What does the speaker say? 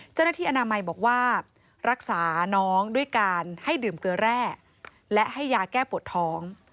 เจ้าหน้าที่อนามัยบอกว่ารักษาน้องด้วยการให้ดื่มเกลือแร่และให้ยาแก้ปวดท้อง